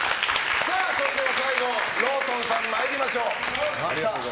そして最後ローソンさん参りましょう。